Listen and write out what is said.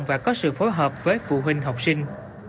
và có sự phối hợp với phụ huynh học sinh